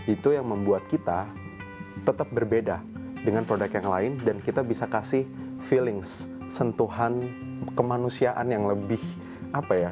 itu yang membuat kita tetap berbeda dengan produk yang lain dan kita bisa kasih feelings sentuhan kemanusiaan yang lebih apa ya